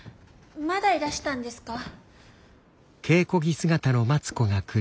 まだいらしたんですか？